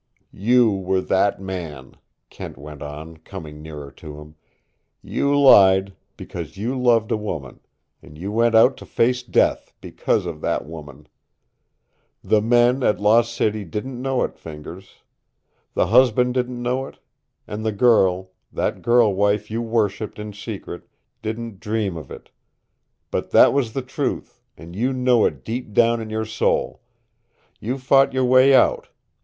"You were that man," Kent went on, coming nearer to him. "You lied, because you loved a woman, and you went out to face death because of that woman. The men at Lost City didn't know it, Fingers. The husband didn't know it. And the girl, that girl wife you worshiped in secret, didn't dream of it! But that was the truth, and you know it deep down in your soul. You fought your way out.